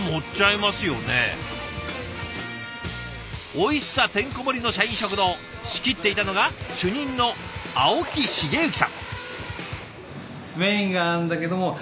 おいしさてんこ盛りの社員食堂仕切っていたのが主任の青木繁幸さん。